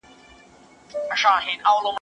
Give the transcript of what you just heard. برخي ازلي دي، نه په زور نه په سيالي دي.